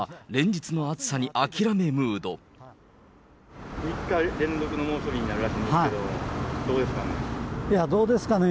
３日連続の猛暑日になるらしいんですけど、いや、どうですかね